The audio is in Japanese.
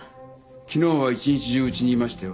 昨日は一日中家にいましたよ。